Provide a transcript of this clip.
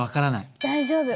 大丈夫！